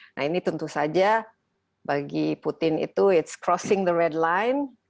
nah ini tentu saja bagi putin itu itu mengembalikan perintah merah